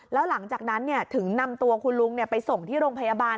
แล้วหลังจากนั้นถึงนำตัวคุณลุงไปส่งที่โรงพยาบาล